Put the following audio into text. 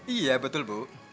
iya betul bu